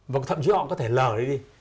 và thậm chí họ có thể lờ đi đi